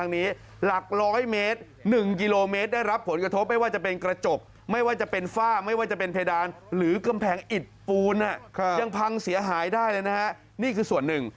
นี่คือดูจากภาพมุมไกลเสียง